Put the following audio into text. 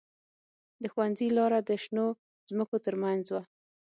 د ښوونځي لاره د شنو ځمکو ترمنځ وه